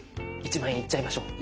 １万円いっちゃいましょう。